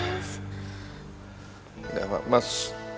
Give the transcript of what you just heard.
mas kenapa mas